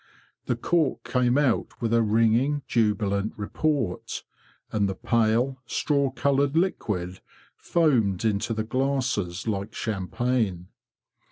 The cork came out with a ringing jubilant report, and the pale, straw coloured liquid foamed into the glasses like champagne.